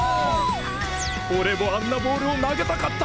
俺もあんなボールを投げたかった！